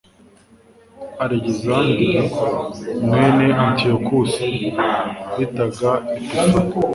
alegisanderi mwene antiyokusi bitaga epifani